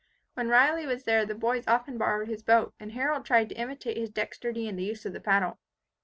While Riley was there the boys often borrowed his boat, and Harold tried to imitate his dexterity in the use of the paddle.